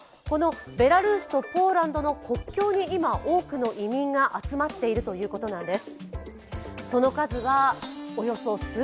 ベラルーシとポーランドの国境に今、多くの移民が集まっているということなんです。